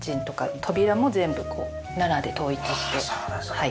はい。